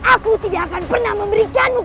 aku akan menangkapmu